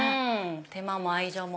手間も愛情も。